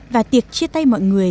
và tiệc chia tay mọi người